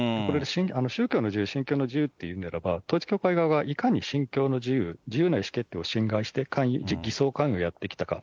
宗教の自由、信教の自由って言うならば、統一教会側がいかに信教の自由、自由な意思決定を侵害して、偽装勧誘をやってきたか、